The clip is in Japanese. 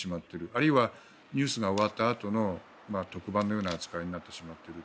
あるいはニュースが終わったあとの特番のような扱いになってしまっている。